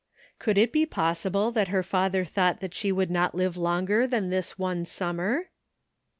Could it be possible that her father thought that she would not live longer than this one summer?